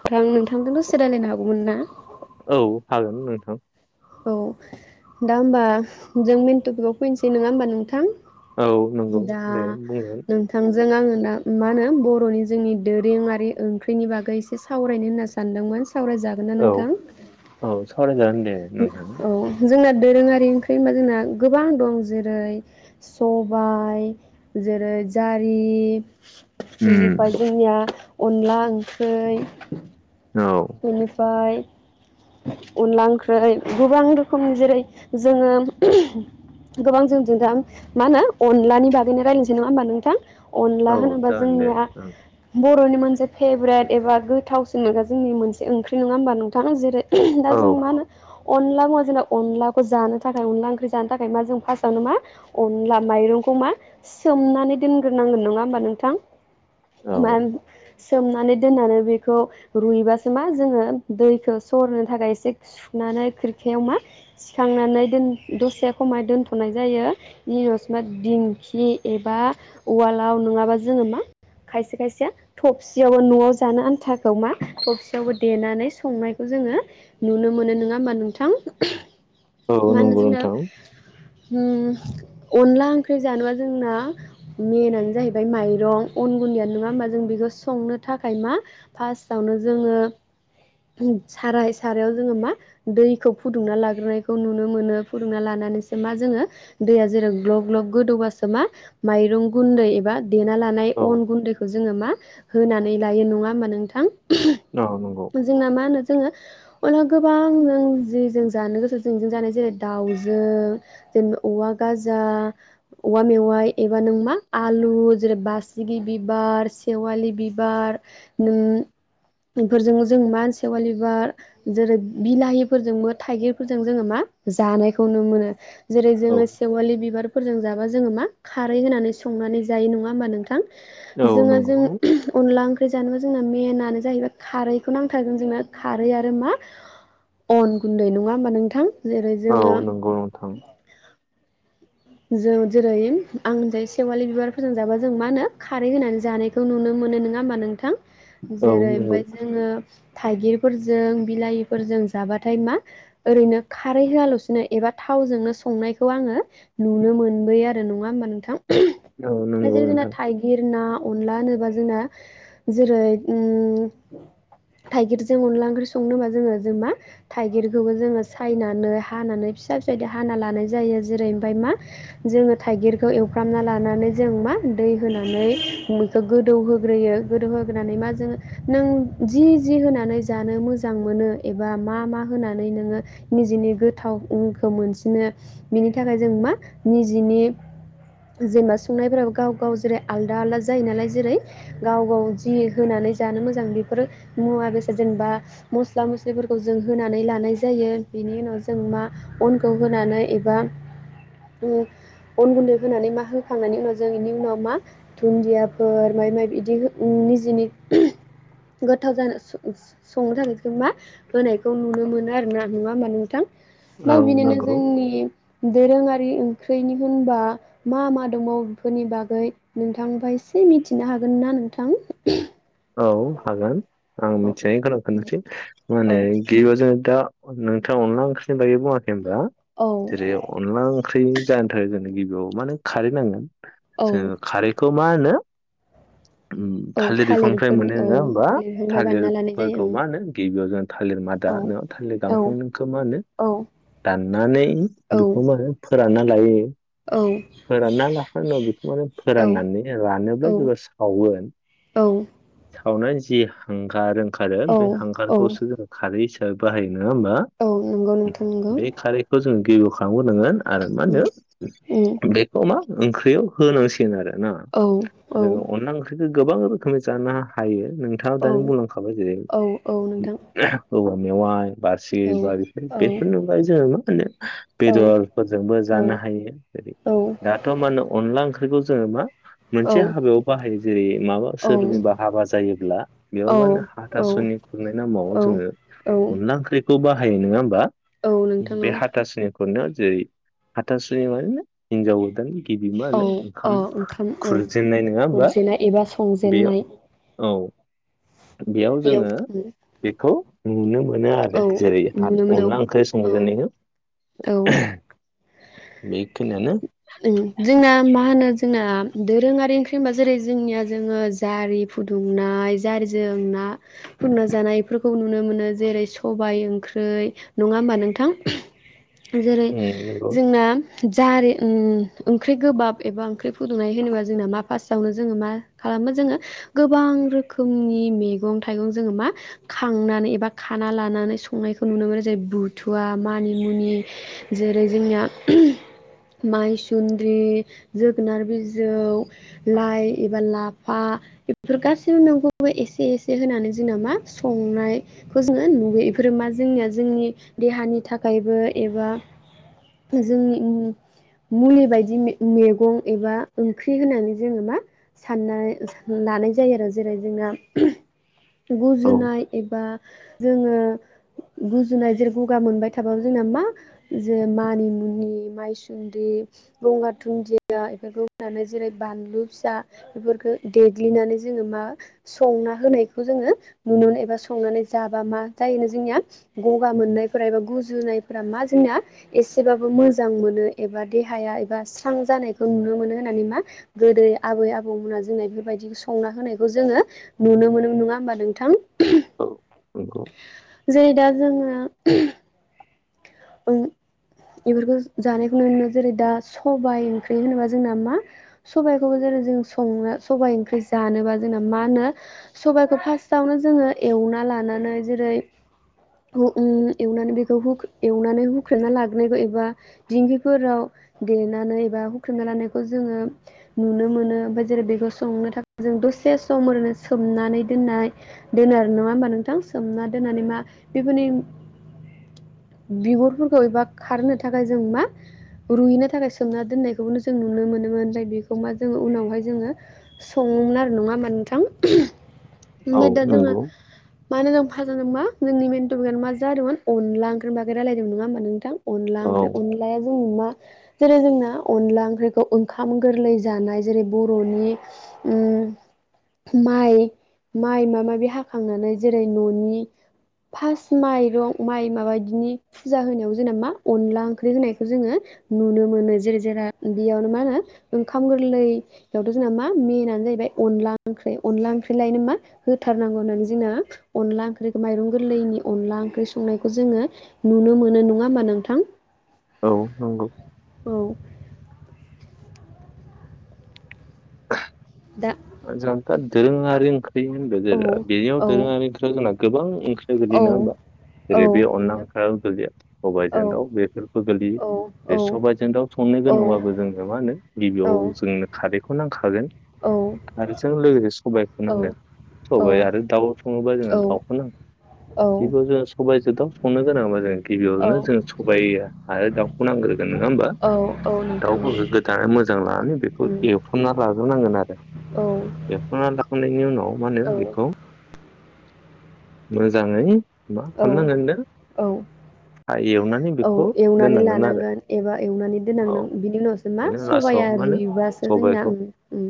ओमफ्राय आं नोंथांजों दसे रायलायनो हाबावगोन ना? औ हागोन नोंथां। औ दा होमबा जों मेन टपिकआव फैनोसै नङा होमबा नोंथां। औ नंगौ दा दे बुंगोन नोंथांजों आङो‌ दा मा होनो बर'नि जोंनि दोरोङारि ओंख्रिनि बागै एसे सावरायनो होनना सानदोंमोन। सावरायजागोन ना औ नोंथां औ सावरायजागोन दे। नोंथां औ। जोंना दोरोङारि ओंख्रि होनबा जोंना गोबां दं। जेरै सबाइ जेरै जारि उम बिनिफाय जोंनिया अनला ओंख्रै औ बेनिफ्राय अनला ओंख्रै। गोबां रोखोमनि जेरै जोङो गोबां जों जो दा माहोनो अनलानि बागैनो रायलायसै नङा होमबा नोंथां। अनला औ होनोबा जागोन दे जोंनिया ओं ब र'नि मोनसे फेभरेट एबा गोथावसिन मोनग्रा जोंनि मोनसे ओंख्रि नङा होमबा नोंथां। जेरै दा औ जों मा होनो अनला मुङा जोंना अनलाखौ जानो थाखाय अनला ओंख्रि जानो थाखाय मा जों फार्स्टआवनो मा अनला माइरंखौ मा सोमनानै दोनग्रोनांगोन नङा होमबा नोंथां। औ मान सोमनानै दोननानै बेखौ रुइबासो मा जोङो दैखो सरनो थाखाय एसे सुनानै खोरखायाव मा सिखांनानै दोन दसे खमाय दोन्थ'नाय जायो बिनि उनावसो मा दिंखि एबा उवालाव नङाबा जोङो मा खायसे खायसे थबसियावबो न'आव जानो आन्थाखौ मा थबसियावबो देनानै संनाय खौ जोङो नुनो मोनो नोङा होमबा नोंथां? औ मा होनो नोंगौ जोंना नोंथां। अनला ओंख्रि जानोबा जोंना मेनआनो जाहैबाय माइरं अन गुन्दैयानो नङा होमबा जों बेखौ संनो थाखाय मा फार्स्टआवनो जोङो साराय सारायाव जोङो मा दैखौ फुदुंना लाग्रोनायखौ नुनो मोनो फुदुंना लानानैसो मा जोङो दैया जेराव ग्लब ग्लब गोदौबासो मा माइरं गुन्दै एबा देना लानाय औ अन गुन्दैखौ जोङो मा होनानै लायो नङा होमबा नोंथां? औ नोंगौ जोंना मा होनो जोङो अनलाखो गोबां जों जेजों जानो गोसो [unintelligible] दाउजों औवा‌ गांजा, औवा मेवाइ एबा नों मा आलु जेरै बासिगि बिबार सेवालि बिबार बेफोरजों जों मा सेवालि बिबार जेरै बिलाहिफोरजोंबो थाइगिरफोरजों जोङो मा जानायखौ नुनो मोनो। जेरै औ जोङो सेवालि बिबारफोरजों फोरजों जाबा जोङो मा खारै होनानै संनानै जायो नङा होमबा नोंथां? औ जोङो जों नंगौ अनला ओंख्रि जानो जोंना मेन आनो जाहैबाय खारैखौ नांथारगो गोन जोंनो खारै आरो मा अन गुन्दै नङा होमबा नोंथां? जेरै जोङो औ नंगौ नोंथां जों जेरै आं जाय सेवालि बिबारफोरोजों जाबा जों मा होनो खारै होनानै जानायखौ नुनो मोनो नङा होमबा नोंथां? औ जेरै नंगौ ओमफाय जोङो थाइगिरफोरजों बिलाहिफोरजों जाबाथाय मा ओरैनो खारै होआलसिनो एबा थावजोंनो संनायखौ आङो नुनो मोनबोयो आरो नङा होमबा नोंथां? औ दा नंगौ जेरै जोंना नोंथां थाइगिर ना अनला होनोबा जोंना जेरै उम थाइगिरजों अनला ओंख्रि संनोबा जोङो जों मा थाइगिरखौबो जोङो सायनानै हानानै फिसा फिसा इदि हाना लानाय जायो जेरै मा जोङो थाइगिरखौ एवफ्रामना लानानै जों मा दै होनानै बेखौ गोदौ होग्रोयो गोदौ होग्रोनानै मा जों नों जि जि होनानै जानो मोजां मोनो एबा मा मा होनानै नोङो निजेनि गोथावखौ मोनसिनो बिनि थाखाय जों मा निजेनि जेनेबा संनायफोराबो गाव गाव जेरै आलदा आलादा जायो नालाय जेरै गाव गाव जि होनानै जानो मोजां बेफोर मुवा बेसाद जेनेबा मस्ला मस्लिफोरखौ जों होनानै लानाय जायो बेनि उनाव जों मा अनखौ होनानै एबा ओ अन गुन्दै होनानै मा होखांनायनि उनाव जों बेनि उनाव मा दुन्दियाफोर माइ माइ बिदि निजेनि गोथाव जानो संनो थाखाय जों मा होनायखौ नुनो मोनो आरो ना नङा होमबा नोंथां? दा औ बिनिनो नंगौ जोंनि दोरोङारि ओंख्रिनि होनबा मा मा दमाव बिफोरनि बागै नोंथांफाय एसे मिथिनो हागोन ना नोंथां? औ हागोन। आं मिथिनाय [unintelligible] औ दा नोंथाङा अनला ओंख्रिनि बागै बुङाखै खै होमबा औ जेरै अनला ओंख्रि जानो थाखय जोंनो गिबियाव मा होनो खारै नांगोन औ जों खारैखौ मा होनो औ थालिर ओमफ्राय थालिरफोरनि मोनो औ नङा होमबा थालिरनिफ्राय बानायना लानाय जायो थालिरफोरखौ मा होनो गिबियाव जों थालिर मादा ओं थालिर औ गांखंखौ मा होनो औ दाननानै औ बेखौ मा होनो फोरानना लायो औ फोरानना लाखांनायनि उनाव बेखौ माने औ फोराननानै रानोब्ला औ जोंङो सावो सावनानै जि हांगार आरो औ बे औ हांगारखौसो जों खारै ओ बाहायो नङा होमबा औ नंगौ नोंथां नंगौ बे खारैखौ जों गिय [unintelligible] नोंङो आरो मा होन्दो? उम उम बेखौ मा ओंख्रियाव होनांसिगोन आरो ना औ औ जोंङो अनला ओंख्रि गोबां रोखोमै जानो हायो नोंथाङा औ दानि बुंलांखाबाय जेरै औ औ नोंथां औवामेवाइ बारसि औ बारिफोर औ बेफोरनि अनगायै जोंङो मा [unintelligible] औ बेदरफोरजोंबो जानो हायो दाथ' मा होनो अनला ओंख्रिखौ जोंङो मा औ मोनसे हाबायाव बाहायो जेरै माबा औ औ सोरनिबा हाबा जायोब्ला बेयाव औ मा होनो औ हाथासुनि खुरनाय नामाव औ जोंङो औ अनला ओंख्रिखौ बाहाय हायो नङा होमबा? औ नोंथां बे औ हाथासुनिखौ फोरनो जेरै हाथासुनि माने हिन्जाव [unintelligible] गिबि मा औ होनो अ ओंखाम ओंखाम औ खुरजेननाय नङा होमबा खुरजेना एबा बेयाव संजेननाय औ बेयाव जोंङो बेखौ नुनो औ मोनोआरो जेरै ह नुनो मोनो अनला ओंख्रि औ संजेननायखौ औ बे माने जोंना मा होनो जोंना दोरोङारि ओंख्रि होनबा जेरै जोंनिया जोंङो जारि फुदुंनाय जारिजों ना फुदुंना जानायफोरखौ नुनो मोनो जेरै सबाय ओंख्रि नङा होमबा नोंथां? जेरै उम नंगौ जोंना जारि ओम ओंख्रि गोबाब एबा ओंख्रि फुदुंनाय होनोबा जोंना मा फार्स्टआवनो जोंङो मा खालामो जोंङो गोबां रोखोमनि मैगं थाइगं जोंङो मा खांनानै एबा खाना लानानै संनायखौ नुनो मोनो जेरै बुथुवा मानिमुनि जेरै जोंना माइसुन्द्रि जोगोनार बिजौ लाइ एबा लाफा बेफोर गासैबो मैगंखौबो एसे एसे होनानै जोंना मा संनायखौ जोंङो नुयो बेफोरो मा जोंनिया जोंनि देहानि थाखायबो एबा जोंनि उम मुलि बायदि मे-मैगं एबा ओंख्रि होननानै जोङो मा साननानै लानाय जायो आरो जेरै जोंना औ गुजुनाय एबा जोङो गुजुनाय जेरै गगा मोनबाय थाबाबो जोंना मा जे मानिमुनि माइसुुन [unintelligible] गंगार दुन्दिया बेफोरखौ होनानै जेरै बानलु फिसा बेफोरखौ देग्लिनानै जोङो मा संना होनायखौ जोङो नुयो एबा संनानै जाबा मा जायोनो जोंनिया गगा मोननायफोरा एबा गुजुनायफोरा मा जोंनिया एसेबाबो मोजां मोनो। एबा देहाया एबा स्रां जानायखौ नुनो मोनो होननानै मा गोदो आबै आबौमोना जोंना बेफोरबायदि संना होनायखौ जोङो नुनो मोनो, नङा होमबा नोंथां? औ नंगौ जेरै दा जोङो [unintelligible] ओं इफोरखौ जानायखौ नुनो मोनो जेरै दा सबाय ओंख्रि होनोबा जोंना मा सबायखौबो जेरै जों संनो सबाय ओंख्रि जानोबा जोंना मा होनो सबायखौ फार्स्टआवनो जोङो एवना लानानै जेरै ओ उम एवनानै बेखौ हुगु एवनानै हुख्रेबना लाग्रोनायखौ एबा दिंखिफोराव देनानै एबा हुख्रेबना लानायखौ जोङो नुनो मोनो ओमफ्राय जेरै बेखौ संनो थाखाय जों दसे सम ओरैनो सोमनानै दोननाय दोनोआरो, नङा होमबा नोंथां? सोमना दोननानै मा बेफोरनि बिगुरफोरखौ एबा खारनो थाखाय जों मा रुयैनो थाखाय सोमना दोननायखौबो जों नुनो मोनो नों होनबाय बेखौ मा जो उनाव बेावहाय जोङो सङोमोन आरो नङा होमबा नोंथां औ ओमफ्राय दा जोङो नंगौ मानो नों [unintelligible] जादों मा जोंनि मेन टपिकआ मा जादोंमोन अनला ओं [unintelligible] बागै रायलायदोंमोन नङा होमबा नोंथां? अनला औ ओंख्रि अनलाया जोंनि मा जेरै जोंना अनला ओंख्रिखौ ओंखाम गोरलै जानाय जेरै बरनि म माइ-माइ माबा माबि हाखांनानै जेरै ननि फार्स्ट माइरं माइ माबा बिनि फुजा होनायाव जोंना मा अनला ओंख्रि होनायखौ जोङो नुनो मोनो जेरै जेरा बेयावनो मा होनो ओंखाम गोरलैयावथ' जों मा मेनानो जाहैबाय अनला ओंख्रि अनला ओंख्रि लायनो मा होथारनांगौ होननानै जोंना अनला ओंख्रिखौ माइरं गोरलैनि अनला ओंख्रि संनायखौ जोङो नुनो मोनो नङा होमबा नोंथां? औ नंगौ औ दा [unintelligible] दोरोंआरि [unintelligible] बे होनदो औ देरा बेनियाव औ दोरोंयारिफ्रा जोंनाव गोबां ओं [unintelligible] औ नङा होमबा औ जेरै बे अनला नोंथां ओंख्रियाल गोलैया औ सबायजों दाव बेफोरखौ गोलैयो औ औ बे सबायजों दाव संनो गोनांबाबो जोंनो मा होनो औ गिबियाव जोंनो खारै खौ नांखागोन खारजों लोगोसे सबायखौ नांगोन सबाय आरो दाउ सङोबा जोङो दाउखौ नांगोन औ बेखौ जोङो सबायजों [unintelligible] गिबियावनो औ जों सबाइ आरो दाउखौ नांग्रोगोन नङा होमबा? औ नोंथां औ दाउफोरखौ गोदानननै मोजां लानानै बेखौ उम एवफ्रामना लाग्रोनांगोन आरो औ एवफ्रामना लाखांनायनि उनाव माने औ बेखौ मोजाङै मा औ खालामनांगोननो होनदों औ औ एवनानै लानांगोन एबा एवनानै औ दोनांनांगोन बिनि उनावसो मा बेनि उनाव सबाया लास्टाव मा होनो रुइबासो जोंना सबाइखौ ओ ओं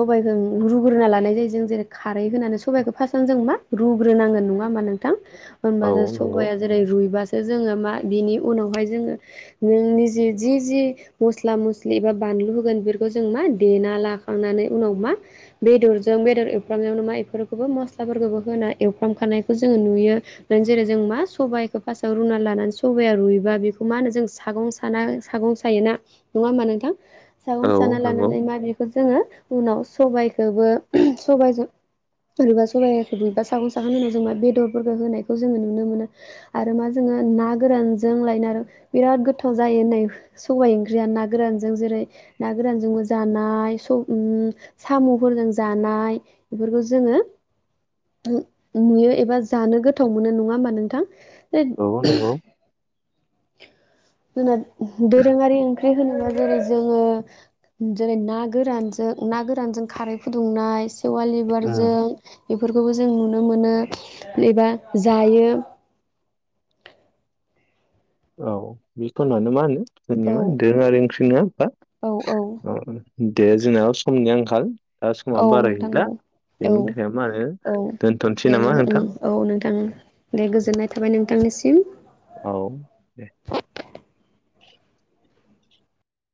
सबाइखौ रुग्रोना लानाय जायो जों जेरै खारै होनानै सबाइखौ फारसत आवनो जों मा रुग्रोनांगोन नङा होमबा नोंथां औ होनबाथ नंगौ सबाइाया जेरै रुइ जोंओ मा बिनि उनावहाय जोंओ नों निजेल जि जि मसला मसलि बानलु होगोन बेफोरखौ जों मा देना लाखांनानै उनाव मा बेदरजों बेदर एवफ्रामनायावनो मा बेफोरखौ मसलाफोरखौ होना एवफ्रामखानायखौ जो नुयो जेरै जों मा सबाय फार्स्टआव रुना लानानै सबाया रुयोबा बेखौ मा होनो जों सागं सा सागं सायोना नङा होमबा नोंथां सागं औ साना नंगौ लानानै मा बेखौ जोङो उनाव सबायखौबो सबायजों रुबा सबाइखौ रुइबा सागं सागोन होनाव जों मा बेदरफोरखौ होनायखौ जोङो नुनो मोनो आरो मा जोङो ना गोरानजों लायना बिराद गोथाव जायो होननाय सबायाइ ओंख्रिया ना गोरानजों जेरै ना गोरानजोंबो जानाय ओ साम'फोरजों जानाय बेफोरखौ जोङो नुयो एबा जानो गोथाव मोनो नङा होमबा नोंथां औ नंगौ [unintelligible] दोरोङारि ओंख्रि होन जरै जोङो जेरै ना गोरानजों ना गोरानजों खारै फुदुंनाय खेवालि उम बारजों बेफोरखौबो जों नुनो मोनो एबा जायो औ बेथनानो मा होनो जोंनि औ मा दोरोंआरि ओंख्रि नङा ‌ होनबा औ औ अ दे जोंनाबो समनि आंखाल दा समा औ बारा नोंथां औ गैला औ बेनि थाखाय मा होनो औ दोनथ'नोसै दे नामा न नोंथां? औ नोंथां दे गोजोननाय थाबाय नोंथांनि सिम सिम औ दे